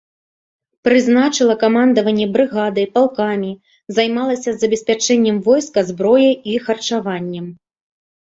Прызначыла камандаванне брыгадай, палкамі, займалася забеспячэннем войска зброяй і харчаваннем.